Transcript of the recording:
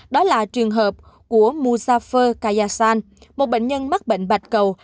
đó là trường hợp của muzafer kayasan một bệnh nhân mắc bệnh bạch cầu